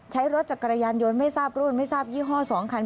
ใช้รถจักรยานยนต์ไม่ทราบรุ่นไม่ทราบยี่ห้อ๒คัน